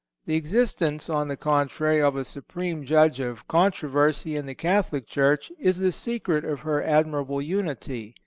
The existence, on the contrary, of a supreme judge of controversy in the Catholic Church is the secret of her admirable unity.